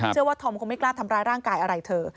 ธอมคงไม่กล้าทำร้ายร่างกายอะไรเธอ